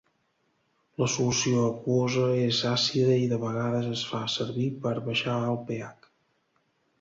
La solució aquosa és àcida i de vegades es fa servir per baixar el pH.